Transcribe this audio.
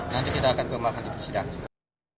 nanti kita akan kembangkan di persidangan